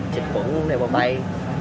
xịt khuẩn lên bóng tay